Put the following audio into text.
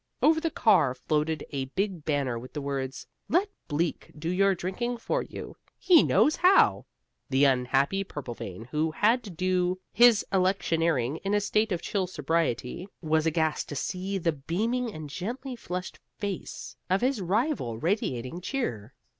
Over the car floated a big banner with the words: Let Bleak Do Your Drinking For You: He Knows How. The unhappy Purplevein, who had to do his electioneering in a state of chill sobriety, was aghast to see the beaming and gently flushed face of his rival radiating cheer.